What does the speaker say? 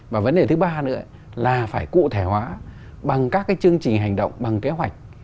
và vấn đề thứ ba nữa là phải cụ thể hóa bằng các cái chương trình hành động bằng kế hoạch